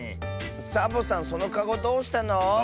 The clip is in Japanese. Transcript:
サボさんそのかごどうしたの？